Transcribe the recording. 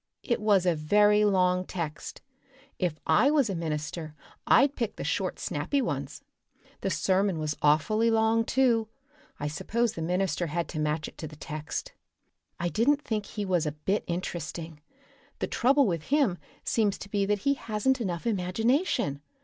It was a very long text. If I was a minister I'd pick the short, snappy ones. The sermon was awfully long, too. I suppose the minister had to match it to the text. I didn't think he was a bit interesting. The trouble with him seems to be that he hasn't enough imagination.